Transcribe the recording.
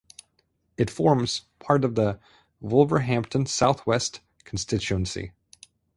It forms part of the Wolverhampton South West constituency.